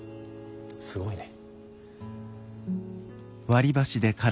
すごいね。